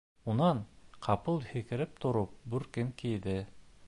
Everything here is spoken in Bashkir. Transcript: Унан, ҡапыл һикереп тороп, бүркен кейҙе.